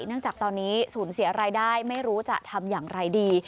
จากตอนนี้สูญเสียรายได้ไม่รู้จะทำอย่างไรดี